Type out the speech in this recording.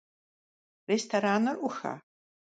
Rêstoranır 'uxa?